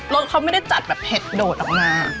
สเขาไม่ได้จัดแบบเผ็ดโดดออกมา